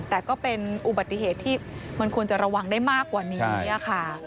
แต่ก็เป็นอุบัติเหตุที่มันควรจะระวังได้มากกว่านี้ค่ะ